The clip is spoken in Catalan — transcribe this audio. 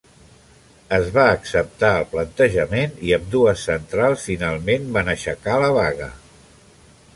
Es va acceptar el plantejament i ambdues centrals finalment van aixecar la vaga.